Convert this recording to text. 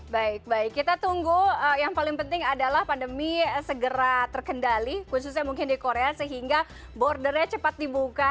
baik baik kita tunggu yang paling penting adalah pandemi segera terkendali khususnya mungkin di korea sehingga bordernya cepat dibuka